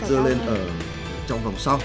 dơ lên ở trong vòng sau